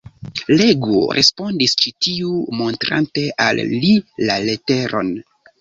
Legu, respondis ĉi tiu, montrante al li la leteron.